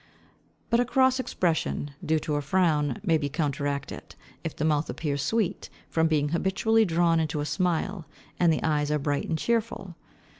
But a cross expression, due to a frown, may be counteracted, if the mouth appears sweet, from being habitually drawn into a smile, and the eyes are bright and cheerful.